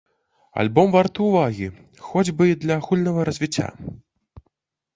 Альбом варты ўвагі, хоць бы і для агульнага развіцця.